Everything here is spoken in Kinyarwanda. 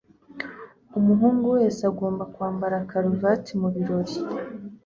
Umuhungu wese agomba kwambara karuvati mubirori.